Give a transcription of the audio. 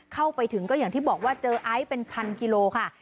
เข้าไปถึงก็อย่างที่บอกว่าเจอไอซ์เป็นพันกิโลค่ะ